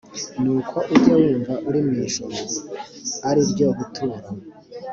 nuko ujye wumva uri mu ijuru ari ryo buturo